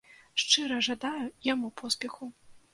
Шчыра жадаю яму поспеху.